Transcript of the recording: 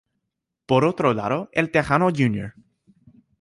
Por otro lado, El Texano Jr.